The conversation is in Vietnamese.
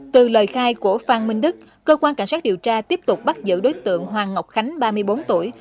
từ lời khai của phan minh đức cơ quan cảnh sát điều tra tiếp tục bắt giữ đối tượng hoàng ngọc khánh ba mươi bốn tuổi